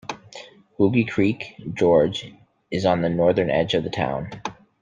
Boggy Creek Gorge is on the northern edge of the town.